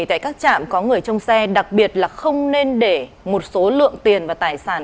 tại các trạm có người trong xe đặc biệt là không nên để một số lượng tiền và tài sản